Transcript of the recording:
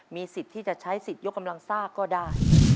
มีสิทธิ์ที่จะใช้สิทธิ์ยกกำลังซ่าก็ได้